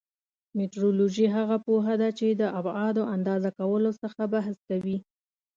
مټرولوژي هغه پوهه ده چې د ابعادو اندازه کولو څخه بحث کوي.